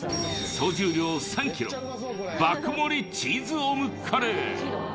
総重量３ｋｇ爆盛りチーズオムカレー。